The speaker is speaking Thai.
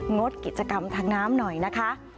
งดกิจกรรมทางน้ำหน่อยนะคะ